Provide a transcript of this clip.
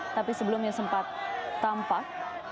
tapi sebelumnya sempat tampak